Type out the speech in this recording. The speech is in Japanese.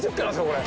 これ。